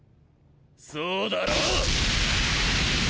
そうだろ！